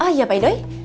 oh iya pak idoi